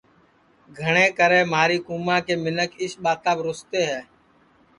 گھٹؔے کرے مہاری کُوماں کے منکھ اِس ٻاتاپ رُستے ہے